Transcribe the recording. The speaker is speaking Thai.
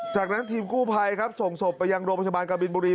จากนั้นทีมกู้ภัยครับส่งศพไปยังโรงพยาบาลกบินบุรี